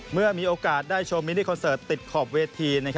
เมื่อมีโอกาสได้ชมมินิคอนเสิร์ตติดขอบเวที